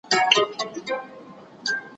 زه به زدکړه کړې وي؟!